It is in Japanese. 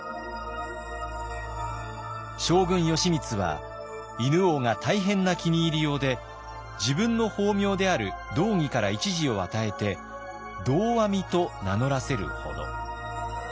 将軍義満は犬王が大変な気に入りようで自分の法名である「道義」から１字を与えて「道阿弥」と名乗らせるほど。